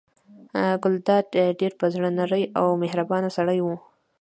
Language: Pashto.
ګلداد ډېر په زړه نری او مهربان سړی و.